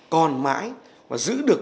còn mãi và giữ được